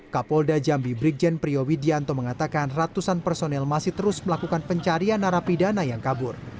kapolda jambi brigjen priyo widianto mengatakan ratusan personel masih terus melakukan pencarian narapidana yang kabur